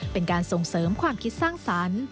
เป็นการส่งเสริมความคิดสร้างสรรค์